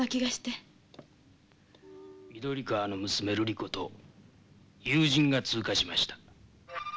緑川の娘ルリ子と友人が通過しました。